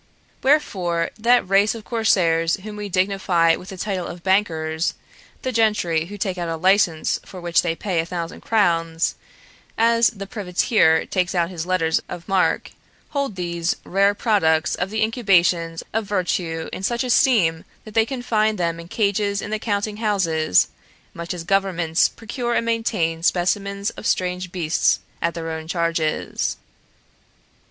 Wherefore, that race of corsairs whom we dignify with the title of bankers, the gentry who take out a license for which they pay a thousand crowns, as the privateer takes out his letters of marque, hold these rare products of the incubations of virtue in such esteem that they confine them in cages in their counting houses, much as governments procure and maintain specimens of strange beasts at their own charges.